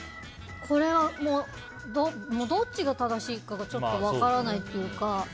これはどっちが正しいかがちょっと分からないというか。